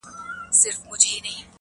بس دښمن مي د خپل ځان یم -